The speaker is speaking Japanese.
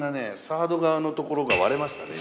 サード側の所が割れましたね